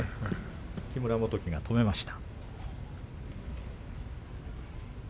木村元基が止めました。